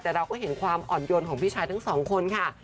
แต่เราก็เห็นความอ่อนโยนของพี่ชายทั้งสองคนค่ะ